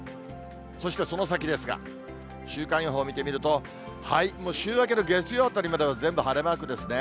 そしてその先ですが、週間予報見てみると、週明けの月曜あたりまで全部晴れマークですね。